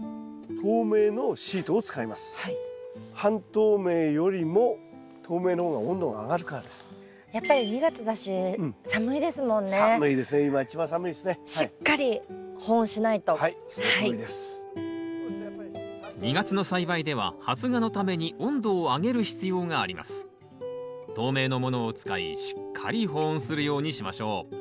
透明のものを使いしっかり保温するようにしましょう。